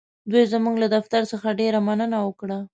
دوی زموږ له دفتر څخه ډېره مننه وکړه.